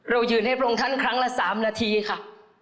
เรายืนให้พรงท่านครั้งละ๓นาทีค่ะ